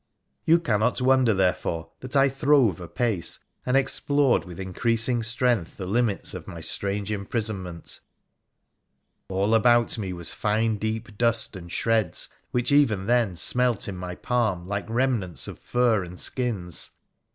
You cannot wonder, therefore, that I throve apace, and explored with increasing strength the limits of my strange imprisonment. PHRA THE PHCENICIAN 27 All about me was fine deep dust and shreds, which even then smelt in my palm like remnants of fur and skins.